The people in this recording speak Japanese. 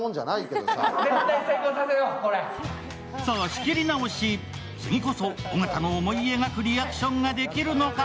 仕切り直し、次こそ尾形の思い描くリアクションができるのか？